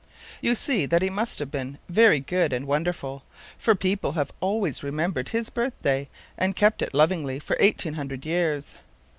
You see that He must have been very good and wonderful; for people have always remembered His birthday, and kept it lovingly for eighteen hundred years.